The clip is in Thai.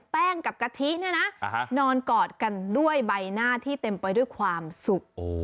แป้งกับกะทินอนกอดกันด้วยใบหน้าที่เต็มไปด้วยความสุข